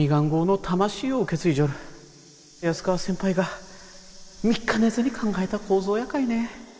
安川先輩が３日寝ずに考えた構造やかいね。